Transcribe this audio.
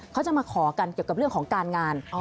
เขาจะมาขอกันเกี่ยวกับเรื่องของการงาน